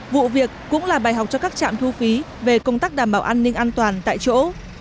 vụ việc cũng là bài học cho các trạm thu phí về công tác đảm bảo an ninh an toàn tại chỗ